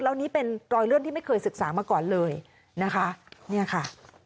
แล้วนี้เป็นรอยเลื่อนที่ไม่เคยศึกษามาก่อนเลยนะคะเนี่ยค่ะ